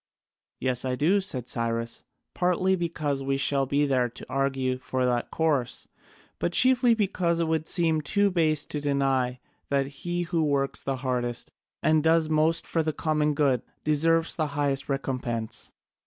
"Yes, I do," said Cyrus, "partly because we shall be there to argue for that course, but chiefly because it would seem too base to deny that he who works the hardest and does most for the common good deserves the highest recompense.